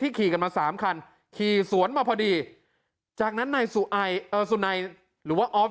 ขี่กันมาสามคันขี่สวนมาพอดีจากนั้นนายสุนัยหรือว่าออฟ